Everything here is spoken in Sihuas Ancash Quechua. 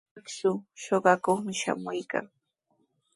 Akshu suqakuqmi shamuykan.